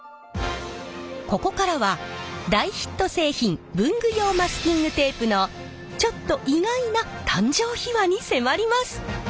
ここからは大ヒット製品文具用マスキングテープのちょっと意外な誕生秘話に迫ります。